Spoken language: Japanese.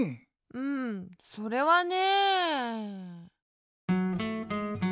うんそれはね。